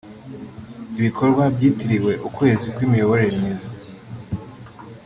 Ibikorwa byitiriwe ukwezi kw’imiyoborere myiza